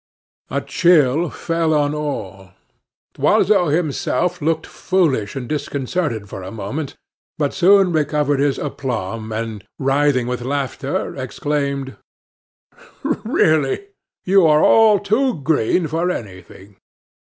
A chill fell on all. Loiseau himself looked foolish and disconcerted for a moment, but soon recovered his aplomb, and, writhing with laughter, exclaimed: "Really, you are all too green for anything!"